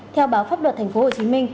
theo báo pháp luật tp hcm